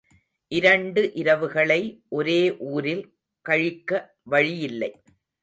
இரண்டு இரவுகளை ஒரே ஊரில் கழிக்க வழியில்லை.